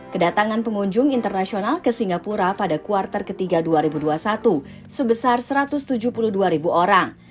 kedatangan pengunjung internasional ke singapura pada kuartal ketiga dua ribu dua puluh satu sebesar satu ratus tujuh puluh dua orang